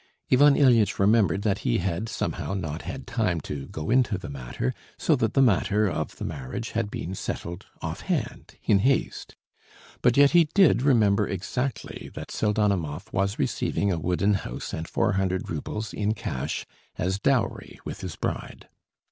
Ivan Ilyitch remembered that he had somehow not had time to go into the matter, so that the matter of the marriage had been settled offhand, in haste. But yet he did remember exactly that Pseldonimov was receiving a wooden house and four hundred roubles in cash as dowry with his bride.